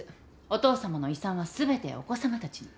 お父さまの遺産は全てお子さまたちに。